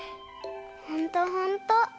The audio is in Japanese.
ほんとほんと！